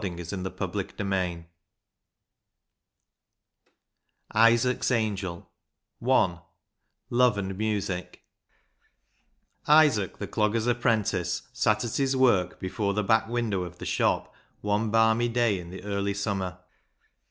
Isaac's Angel I Love and Music i6 Isaac's Angel I Love and Music Isaac, the dogger's apprentice, sat at his work before the back window of the shop one bahny day in the early summer.